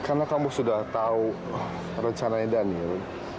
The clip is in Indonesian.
karena kamu sudah tahu rencananya daniel